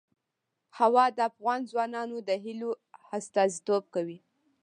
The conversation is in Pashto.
هوا د افغان ځوانانو د هیلو استازیتوب کوي.